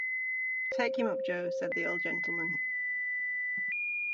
‘Take him up, Joe,’ said the old gentleman.